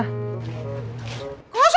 kalau punya ruang ini